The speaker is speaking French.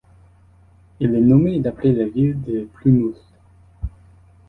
Il est nommé d'après la ville de Plumouth.